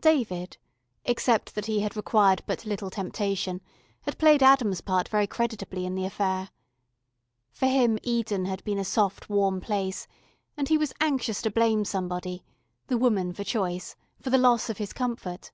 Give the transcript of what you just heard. David, except that he had required but little temptation, had played Adam's part very creditably in the affair. For him Eden had been a soft warm place, and he was anxious to blame somebody the woman for choice for the loss of his comfort.